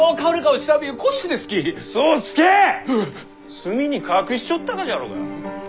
隅に隠しちょったがじゃろうが。